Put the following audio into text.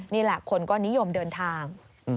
นี่แหละคนก็นิยมเดินทาง